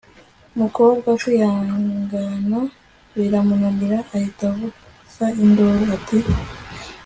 mukobwa kwihangana biramunanira ahita avuza induru ati